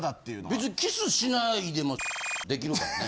別にキスしないでも○※△できるからね。